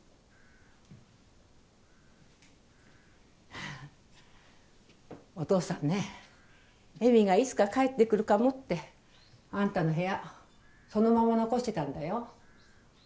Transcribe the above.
はぁお父さんね江美がいつか帰って来るかもってあんたの部屋そのまま残してたんだよ。